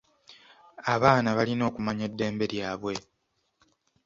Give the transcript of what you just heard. Abaana balina okumanya eddembe lyabwe.